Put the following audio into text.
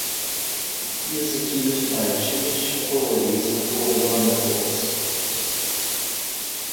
He is accused by Jewish authorities before the Roman courts.